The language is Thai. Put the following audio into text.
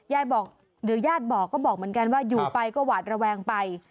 ยายบอกเดี๋ยวญาติบอกก็บอกเหมือนกันว่าอยู่ไปก็หวาดระแวงไป